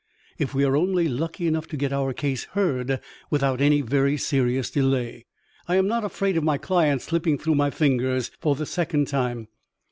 If we are only lucky enough to get our case heard without any very serious delay, I am not afraid of my client slipping through my fingers for the second time.